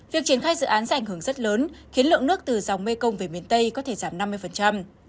việc triển khai dự án sẽ ảnh hưởng rất lớn khiến lượng nước từ dòng mê công về miền tây có thể giảm năm mươi